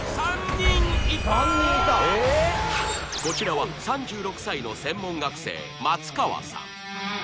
３人いたこちらは３６歳の専門学生松川さん